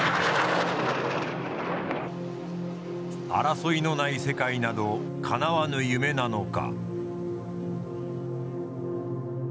争いのない世界などかなわぬ夢なのか？